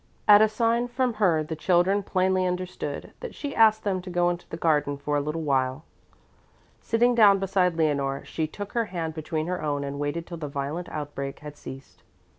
At a sign from her the children plainly understood that she asked them to go into the garden for a little while. Sitting down beside Leonore, she took her hand between her own and waited till the violent outbreak had ceased.